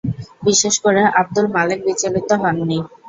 বিশেষ করে আবদুল মালেক বিচলিত হননি।